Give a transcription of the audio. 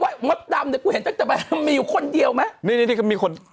เฮ่ยมดดำเนี่ยคุณเห็นเจ๊มีอยู่คนเดียวมะนี่นี่ก็มีคน